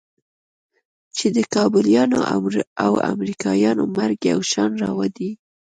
چې د کابليانو او امريکايانو مرګ يو شان روا دى.